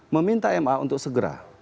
meminta ma untuk segera